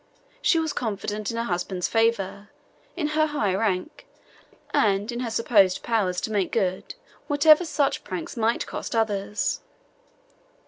She was confident in her husband's favour, in her high rank, and in her supposed power to make good whatever such pranks might cost others.